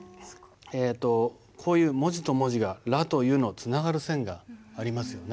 えとこういう文字と文字が「ら」と「ゆ」のつながる線がありますよね。